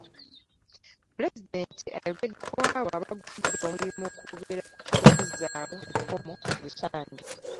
Pulezidenti ayogedde ku abo abagufudde omulimu okwogera ku ky'okuzzaawo ekkomo ku bisanja.